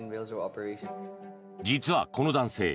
実はこの男性